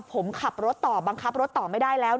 ผมขับรถต่อบังคับรถต่อไม่ได้แล้ว